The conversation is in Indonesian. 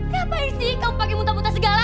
ngapain sih kamu pake muntah muntah segala